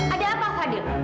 ada apa fadil